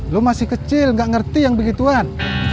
lo masih kecil gak ngerti yang begituan